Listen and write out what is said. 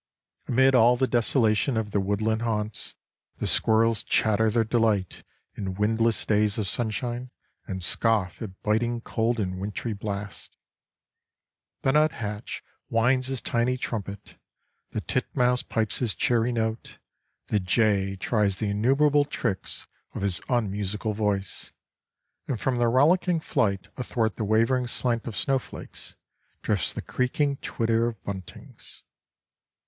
Amid all the desolation of their woodland haunts the squirrels chatter their delight in windless days of sunshine, and scoff at biting cold and wintry blasts. The nuthatch winds his tiny trumpet, the titmouse pipes his cheery note, the jay tries the innumerable tricks of his unmusical voice, and from their rollicking flight athwart the wavering slant of snowflakes drifts the creaking twitter of buntings.